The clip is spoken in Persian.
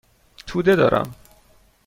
توده دارم.